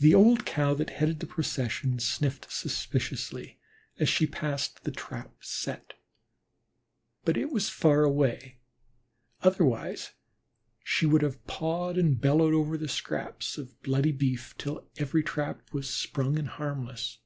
The old Cow that headed the procession sniffed suspiciously as she passed the "trap set," but it was far away, otherwise she would have pawed and bellowed over the scraps of bloody beef till every trap was sprung and harmless.